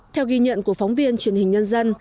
theo ghi nhận của phóng viên truyền hình nhân dân